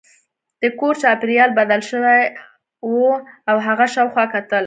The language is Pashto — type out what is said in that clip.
د کور چاپیریال بدل شوی و او هغه شاوخوا کتل